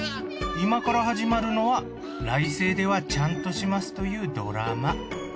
今から始まるのは『来世ではちゃんとします』というドラマ。